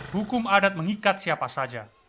hukum adat mengikat siapa saja